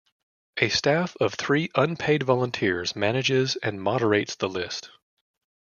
A staff of three unpaid volunteers manages and moderates the list.